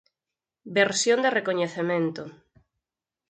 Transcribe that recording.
Versión de recoñecemento.